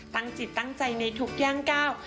จิตตั้งใจในทุกย่างก้าว